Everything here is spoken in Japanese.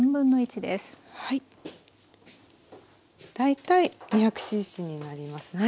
大体２００ｃｃになりますね。